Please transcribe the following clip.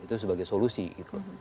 itu sebagai solusi gitu